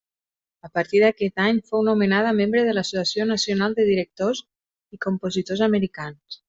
A partir d'aquest any fou nomenada membre de l'Associació Nacional de Directors i Compositors Americans.